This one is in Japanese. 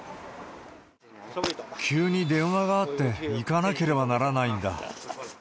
急に電話があって、行かなければならないんだ。